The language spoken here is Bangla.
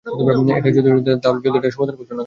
এতটাই যদি জানো, তাহলে জলদি এটার সমাধান করছ না কেন?